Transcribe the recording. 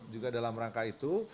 juga dalam rangka itu